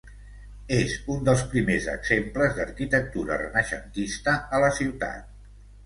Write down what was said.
És un dels primers exemples d'arquitectura renaixentista a la ciutat.